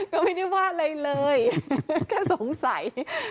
ก็ไม่ได้ว่าอะไรเลยแค่สงสัย